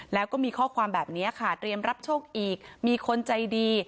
แล้วก็มีข้อความแบบนี้ค่ะเตรียมรับโชคอีกมีคนใจดี